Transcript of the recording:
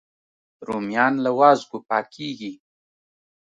رومیان له وازګو پاکېږي